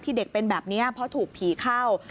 เด็กเป็นแบบนี้เพราะถูกผีเข้า